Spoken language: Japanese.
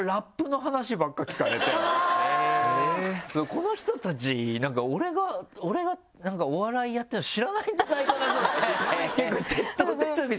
この人たちなんか俺がお笑いやってるの知らないんじゃないかなぐらい結構徹頭徹尾